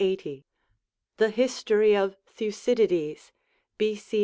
480) ; the History of Thucydides (B. C.